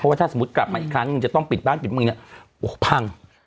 ว่าถ้าสมมุติกลับมาอีกครั้งหนึ่งจะต้องปิดบ้านปิดเมืองเนี่ยโอ้โหพัง